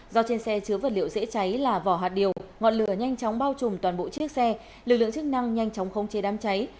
do trên xe chứa vật liệu dễ cháy là vỏ hạt điều ngọn lửa nhanh chóng bao trùm toàn bộ chiếc xe lực lượng chức năng nhanh chóng khống chế đám cháy